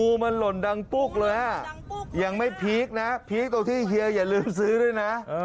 มันหล่นดังปุ๊กเลยอ่ะยังไม่พีคนะพีคตรงที่เฮียอย่าลืมซื้อด้วยนะ